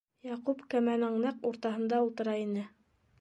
Яҡуп кәмәнең нәҡ уртаһында ултыра ине.